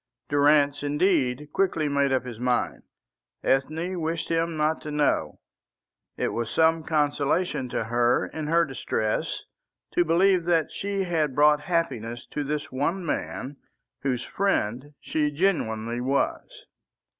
Durrance, indeed, quickly made up his mind. Ethne wished him not to know; it was some consolation to her in her distress to believe that she had brought happiness to this one man whose friend she genuinely was.